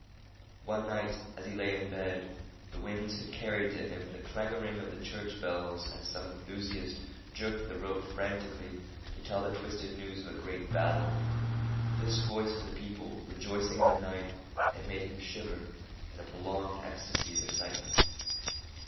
One night, as he lay in bed, the winds had carried to him the clangoring of the church bell as some enthusiast jerked the rope frantically to tell the twisted news of a great battle. This voice of the people rejoicing in the night had made him shiver in a prolonged ecstasy of excitement.